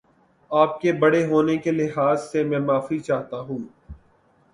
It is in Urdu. آپ کے بڑے ہونے کے لحاظ سے میں معافی چاہتا ہوں